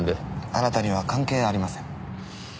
あなたには関係ありません。